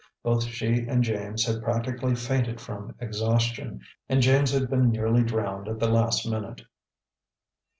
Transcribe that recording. Both she and James had practically fainted from exhaustion, and James had been nearly drowned, at the last minute.